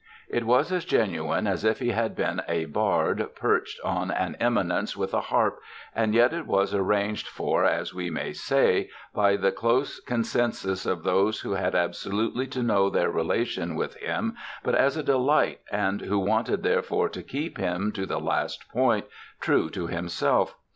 It was as genuine as if he had been a bard perched on an eminence with a harp, and yet it was arranged for, as we may say, by the close consensus of those who had absolutely to know their relation with him but as a delight and who wanted therefore to keep him, to the last point, true to himself.